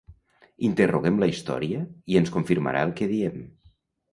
Interroguem la història, i ens confirmarà el que diem.